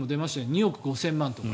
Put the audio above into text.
２億５０００万円とか。